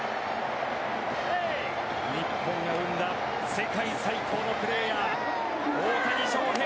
日本が生んだ世界最高のプレーヤー大谷翔平。